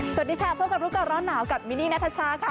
สวัสดีค่ะพบกับรู้ก่อนร้อนหนาวกับมินนี่นัทชาค่ะ